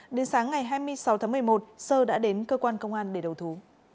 đến sáng ngày hai mươi sáu tháng một mươi một sơ đã đến cơ quan công an để đầu thú